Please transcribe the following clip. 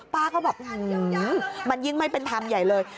ป้าก็บอกมันยิ่งไม่เป็นธรรมใหญ่เลย